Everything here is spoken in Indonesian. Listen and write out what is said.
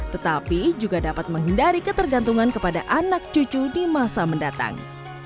tetapi juga dapat menghindari ketergantungan kepada anak cucu di masa mendatang